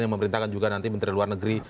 yang memerintahkan juga nanti menteri luar negeri